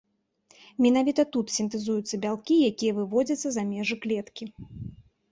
Менавіта тут сінтэзуюцца бялкі, якія выводзяцца за межы клеткі.